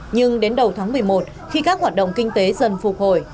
nhưng đến đầu tháng một mươi một khi các hoạt động kinh tế dần phục hồi